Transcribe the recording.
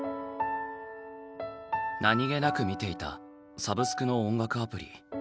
何気なく見ていたサブスクの音楽アプリ